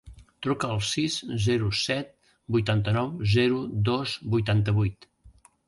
Truca al sis, zero, set, vuitanta-nou, zero, dos, vuitanta-vuit.